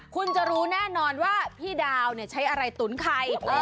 คุณจะรู้แน่นอนว่าพี่ดาวใช้อะไรตุ๋นใคร